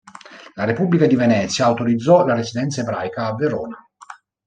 La Repubblica di Venezia autorizzò la residenza ebraica a Verona.